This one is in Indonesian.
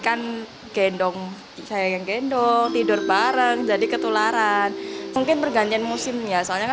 kan gendong saya yang gendong tidur bareng jadi ketularan mungkin pergantian musim ya soalnya kan